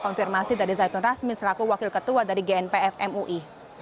konfirmasi dari zaitun rasmi selaku wakil ketua dari gnpf mui